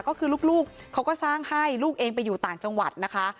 ก็คือลูกเขาก็สร้างให้ลูกเองไปอยู่ต่างจังหวัดนะคะ